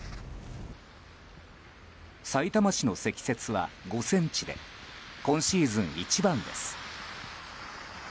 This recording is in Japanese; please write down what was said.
さいたま市の積雪は５ｃｍで今シーズン一番です。